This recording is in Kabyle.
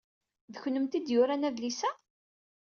D kennemti ay d-yuran adlis-a?